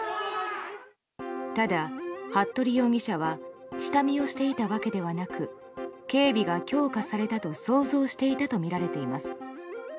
ただ、服部容疑者は下見をしていたわけではなく警備が強化されたと想像していたとみられています。